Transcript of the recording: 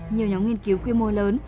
nhiều nhóm nghiên cứu quy mô lớn